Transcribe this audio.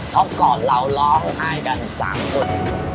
เขาก่อนเราร้องให้กันสามคน